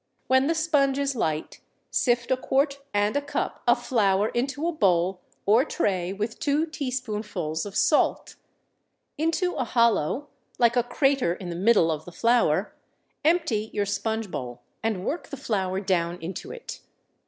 When the sponge is light sift a quart and a cup of flour into a bowl or tray with two teaspoonfuls of salt. Into a hollow, like a crater in the middle of the flour, empty your sponge bowl, and work the flour down into it.